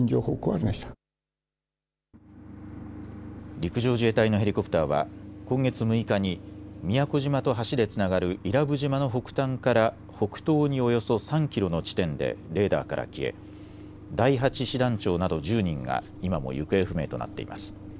陸上自衛隊のヘリコプターは今月６日に宮古島と橋でつながる伊良部島の北端から北東におよそ３キロの地点でレーダーから消え第８師団長など１０人が今も行方不明となっています。